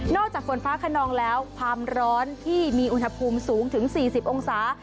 ฝนฟ้าขนองแล้วความร้อนที่มีอุณหภูมิสูงถึง๔๐องศา